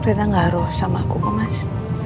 rena gak harus sama aku kemas